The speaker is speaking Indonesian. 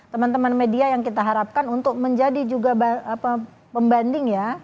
teman teman media yang kita harapkan untuk menjadi juga pembanding ya